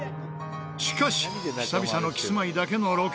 しかし久々のキスマイだけのロケ。